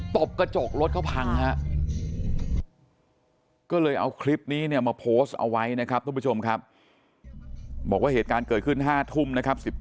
ตบกระจกรถเขาพังฮะก็เลยเอาคลิปนี้เนี่ยมาโพสต์เอาไว้นะครับทุกผู้ชมครับบอกว่าเหตุการณ์เกิดขึ้น๕ทุ่มนะครับ